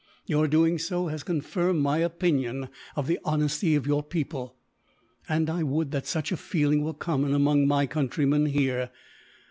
Your doing so has confirmed my opinion of the honesty of your people, and I would that such a feeling were common among my countrymen, here.